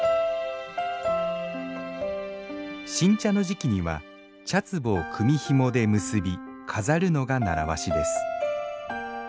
新茶の時期には茶つぼを組みひもで結び飾るのが習わしです。